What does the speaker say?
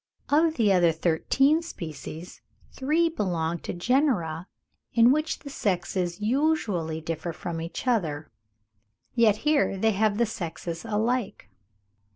Of the other thirteen species, three belong to genera in which the sexes usually differ from each other, yet here they have the sexes alike.